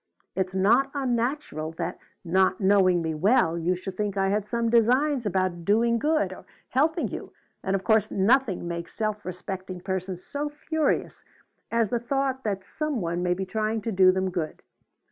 It's not unnatural that, not knowing me well, you should think I had some designs about 'doing good,' or helping you, and of course nothing makes self respecting persons so furious as the thought that some one may be trying to do them good.